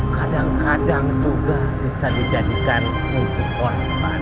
kadang kadang juga bisa dijadikan untuk korban